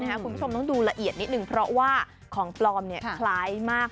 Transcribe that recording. คุณผู้ชมต้องดูละเอียดนิดนึงเพราะว่าของปลอมคล้ายมาก